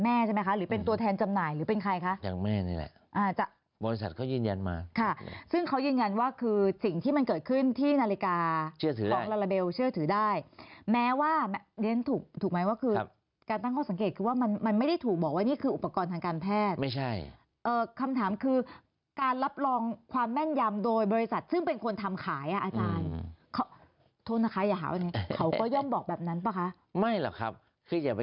มาไม่รู้สินั่นน่ะสิแล้วใครจะมายืนยันให้เรา